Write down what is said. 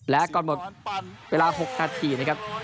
และก่อนหมดเวลา๖นาทีนะครับ